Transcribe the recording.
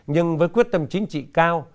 nhưng với quyết tâm chính trị cao